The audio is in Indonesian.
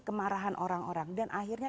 kemarahan orang orang dan akhirnya